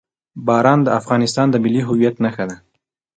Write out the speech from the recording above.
باران د افغانستان د ملي هویت نښه ده.